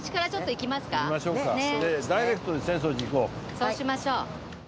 そうしましょう。